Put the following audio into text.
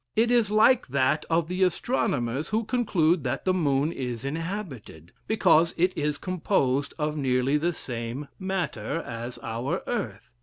It is like that of the astronomers who conclude that the moon is inhabited, because it is composed of nearly the same matter as our earth.